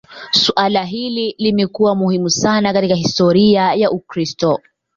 Suala hili limekuwa muhimu sana katika historia ya Ukristo.